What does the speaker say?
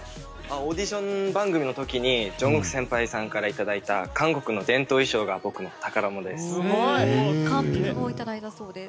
オーディション番組の時にジョングク先輩からいただいた韓国の伝統衣装が僕の宝物です。